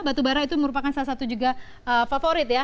batu bara itu merupakan salah satu juga favorit ya